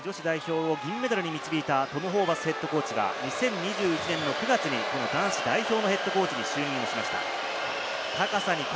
東京オリンピックで女子代表を銀メダルに導いたトム・ホーバスＨＣが２０２１年の９月に男子代表のヘッドコーチに就任しました。